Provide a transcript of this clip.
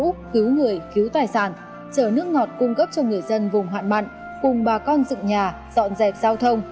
cứu người cứu tài sản chở nước ngọt cung cấp cho người dân vùng hạn mặn cùng bà con dựng nhà dọn dẹp giao thông